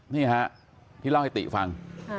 นี่ฮะที่เล่าให้ติฟัง